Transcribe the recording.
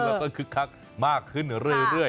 แล้วก็คึกคักมากขึ้นเรื่อย